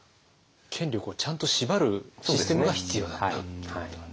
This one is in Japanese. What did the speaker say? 権力をちゃんと縛るシステムが必要だったということなんですね。